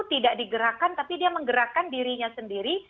tidak digerakkan tapi dia menggerakkan dirinya sendiri